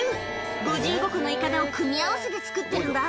「５５個のいかだを組み合わせて作ってるんだ」